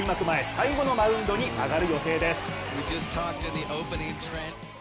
前最後のマウンドに上がる予定です。